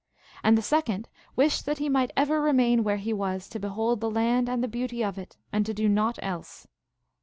1 And the second wished that he might ever remain where he was to behold the land and the beauty of it, and to do naught else.